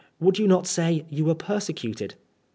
Would you not say you were persecuted